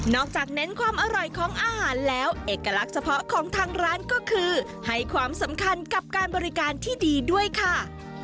จากเน้นความอร่อยของอาหารแล้วเอกลักษณ์เฉพาะของทางร้านก็คือให้ความสำคัญกับการบริการที่ดีด้วยค่ะ